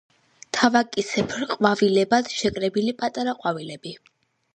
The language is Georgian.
თავაკისებრ ყვავილედად შეკრებილი პატარა ყვავილები.